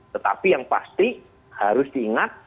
tetapi yang pasti harus diingat